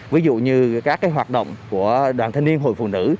ví dụ như các hoạt động của đoàn thanh niên hội phụ nữ